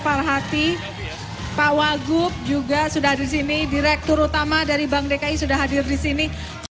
pak farhati pak wagub juga sudah ada di sini direktur utama dari bank dki sudah hadir di sini